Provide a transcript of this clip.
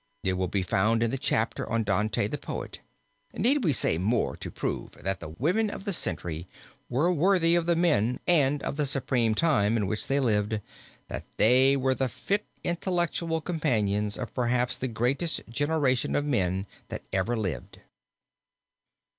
It will be found in the chapter on Dante the Poet. Need we say more to prove that the women of the century were worthy of the men and of the supreme time in which they lived; that they were the fit intellectual companions of perhaps the greatest generation of men that ever lived?